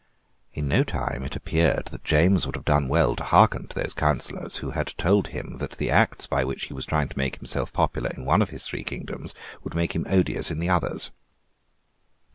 In no long time it appeared that James would have done well to hearken to those counsellors who had told him that the acts by which he was trying to make himself popular in one of his three kingdoms, would make him odious in the others.